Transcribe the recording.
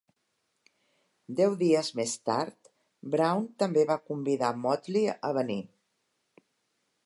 Deu dies més tard, Brown també va convidar Motley a venir.